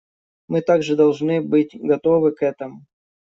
Мы также должны быть готовы к этому.